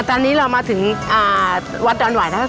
ตอนนี้เรามาถึงวัดดอนหวายนะครับ